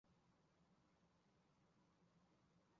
翻开断砖来，有时会遇见蜈蚣